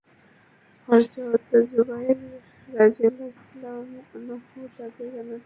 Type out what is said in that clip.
হযরত যুবাইর রাযিয়াল্লাহু আনহু তাঁকে জানান যে, আওতাসের নিকটবর্তী হাওয়াযিনের তাঁবুতে হামলা করা।